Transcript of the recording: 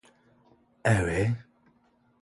Harry.